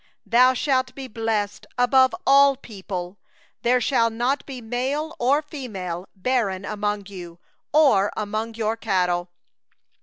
14Thou shalt be blessed above all peoples; there shall not be male or female barren among you, or among your cattle.